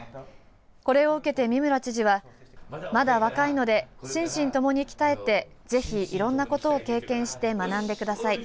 これを受けて三村知事はまだ若いので心身ともに鍛えてぜひいろんなことを経験して学んでください